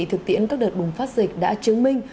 thực tiễn các đợt bùng phát dịch đã chứng minh